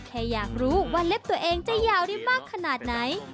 แค่อยากรู้ว่าเล็บตัวเองจะยาวได้มากขนาดไหน